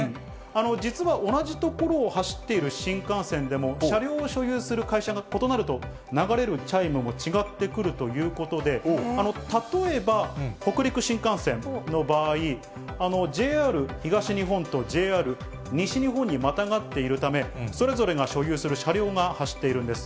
実は同じ所を走っている新幹線でも、車両を所有する会社が異なると、流れるチャイムも違ってくるということで、例えば、北陸新幹線の場合、ＪＲ東日本とＪＲ西日本にまたがっているため、それぞれが所有する車両が走っているんです。